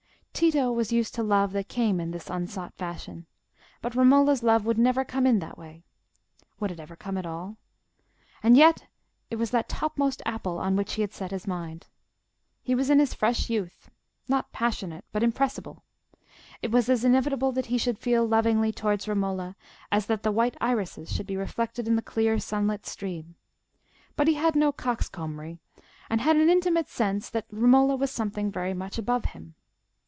Tito was used to love that came in this unsought fashion. But Romola's love would never come in that way: would it ever come at all?—and yet it was that topmost apple on which he had set his mind. He was in his fresh youth—not passionate, but impressible: it was as inevitable that he should feel lovingly towards Romola as that the white irises should be reflected in the clear sunlit stream; but he had no coxcombry, and he had an intimate sense that Romola was something very much above him.